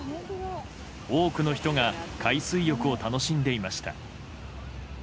多くの人が海水浴を楽しんでいました。